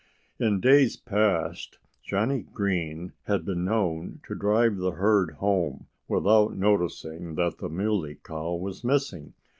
In days past Johnnie Green had been known to drive the herd home without noticing that the Muley Cow was missing.